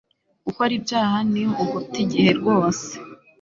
gukora ibyaha ni uguta igihe rwose